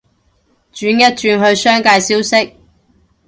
轉一轉去商界消息